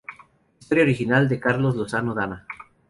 Historia Original de Carlos Lozano Dana.